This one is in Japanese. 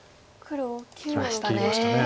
切りました。